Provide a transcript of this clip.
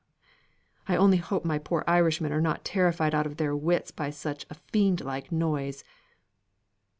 I only hope my poor Irishmen are not terrified out of their wits by such a fiendlike noise.